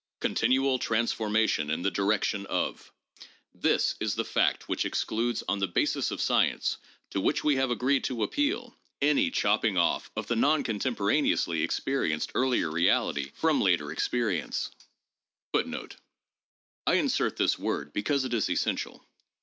Contin ual transformation in the direction of — this is the fact which excludes on the basis of science (to which we have agreed to appeal) any chopping off of the non contemporaneously 2 experienced earlier 2 1 insert this word because it is essential.